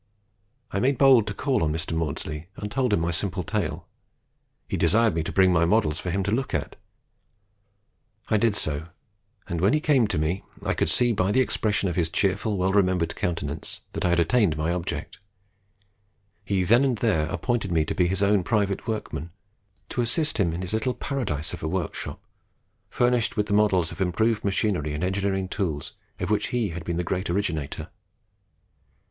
I made bold to call on Mr. Maudslay, and told him my simple tale. He desired me to bring my models for him to look at. I did so, and when he came to me I could see by the expression of his cheerful, well remembered countenance, that I had attained my object. He then and there appointed me to be his own private workman, to assist him in his little paradise of a workshop, furnished with the models of improved machinery and engineering tools of which he has been the great originator.